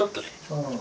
うん。